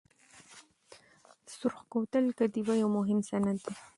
د سرخ کوتل کتیبه یو مهم سند دی.